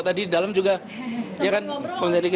tadi di dalam juga ya kan